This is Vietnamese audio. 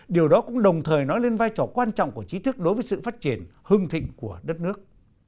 điều đó cũng đồng thời nói lên vai trò quan trọng của trí thức đối với sự phát triển hưng thịnh của đất nước